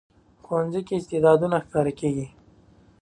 ښوونځی کې استعدادونه ښکاره کېږي